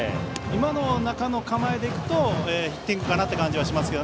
今の構えでいくとヒッティングかなという感じがしますが。